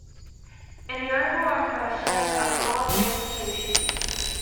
In the overall impression a broad-winged species.